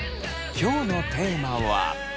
今日のテーマは。